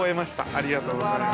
ありがとうございます。